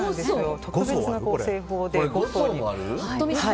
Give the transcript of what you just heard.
特別な製法で。